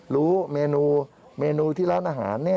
รู้เมนูที่ร้านอาหาร